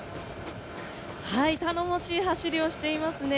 頼もしい走りをしていますね。